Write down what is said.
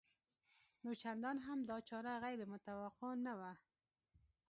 نو چندان هم دا چاره غیر متوقع نه وه